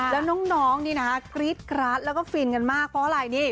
แล้วน้องนี่นะคะกรี๊ดกราดแล้วก็ฟินกันมากเพราะอะไรนี่